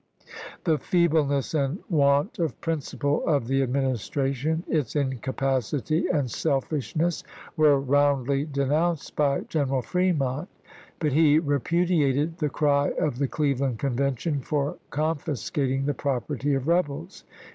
The feebleness and want of principle of the Adminis tration, its incapacity and selfishness, were roundly denounced by General Fremont, but he repudiated the cry of the Cleveland Convention for confiscat ing the property of rebels.